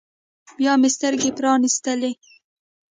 بيا مې سترګې پرانيستلې.